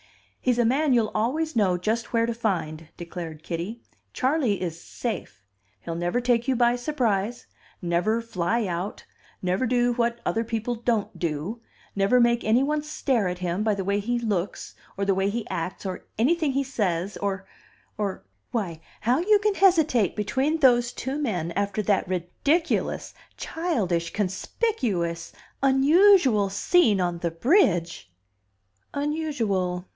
"He's a man you'll always know just where to find," declared Kitty. "Charley is safe. He'll never take you by surprise, never fly out, never do what other people don't do, never make any one stare at him by the way he looks, or the way he acts, or anything he says, or or why, how you can hesitate between those two men after that ridiculous, childish, conspicuous, unusual scene on the bridge " "Unusual.